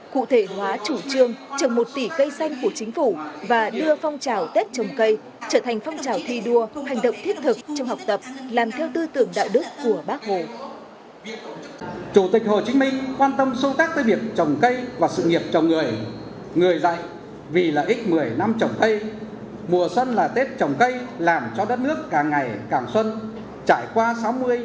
cụ thể hóa chủ trương trồng một tỷ cây xanh của chính phủ và đưa phong trào tết trồng cây trở thành phong trào thi đua hành động thiết thực trong học tập làm theo tư tưởng đạo đức của bác hồ